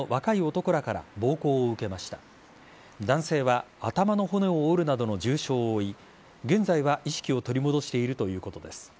男性は頭の骨を折るなどの重傷を負い現在は意識を取り戻しているということです。